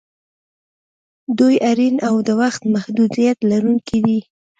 دوی اړین او د وخت محدودیت لرونکي دي.